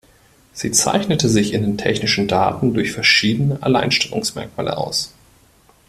Sie zeichnete sich in den technischen Daten durch verschiedene Alleinstellungsmerkmale aus.